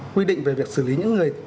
quy định về việc xử lý những người